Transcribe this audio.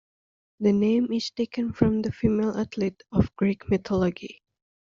The name is taken from the female athlete of Greek mythology.